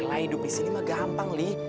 ya elah hidup disini mah gampang li